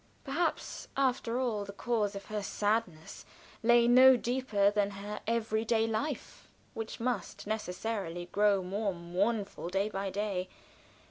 Perhaps, after all, the cause of her sadness lay no deeper than her every day life, which must necessarily grow more mournful day by day.